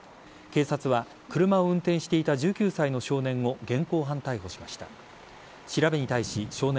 警察は車を運転していた１９歳の少年を現行犯逮捕しました。